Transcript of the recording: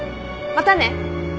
またね。